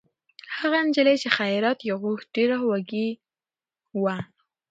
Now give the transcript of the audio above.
هغه نجلۍ چې خیرات یې غوښت، ډېره وږې وه.